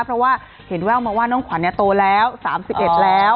เพราะว่าเห็นแววมาว่าน้องขวัญโตแล้ว๓๑แล้ว